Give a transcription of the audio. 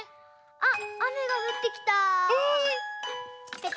あっあめがふってきた。